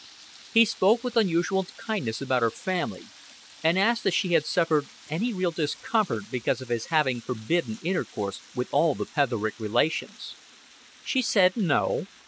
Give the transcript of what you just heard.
He spoke with unusual kindness about her family, and asked if she had suffered any real discomfort because of his having forbidden intercourse with all the Petherick relations. She said "No."